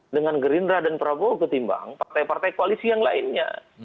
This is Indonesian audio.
dengan gerindra dan prabowo ketimbang partai partai koalisi yang lainnya